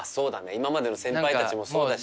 今までの先輩たちもそうだし。